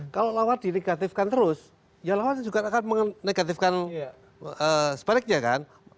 kalau lawan dinegatifkan terus ya lawan juga akan menegatifkan sebaliknya kan